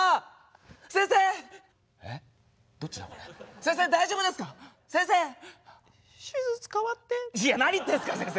先生大丈夫ですか⁉先生！手術代わって。いや何言ってんすか先生。